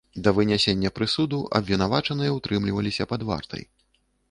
Да вынясення прысуду абвінавачаныя ўтрымліваліся пад вартай.